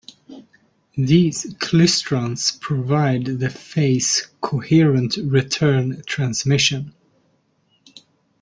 These klystrons provide the phase coherent return transmission.